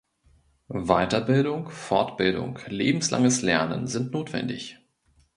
Weiterbildung, Fortbildung, lebenslanges Lernen sind notwendig.